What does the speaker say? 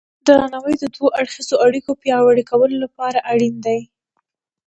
درناوی د دوه اړخیزو اړیکو پیاوړي کولو لپاره اړین دی.